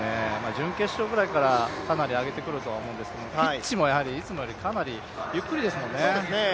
準決勝ぐらいからかなり上げてくると思うんですけれども、ピッチもいつもより、かなりゆっくりですもんね。